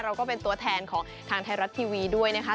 ก็เป็นตัวแทนของทางไทยรัฐทีวีด้วยนะคะ